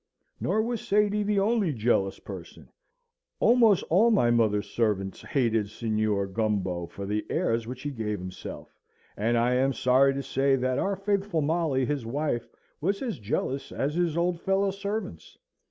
Nor was Sady the only jealous person: almost all my mother's servants hated Signor Gumbo for the airs which he gave himself; and I am sorry to say, that our faithful Molly, his wife, was as jealous as his old fellow servants.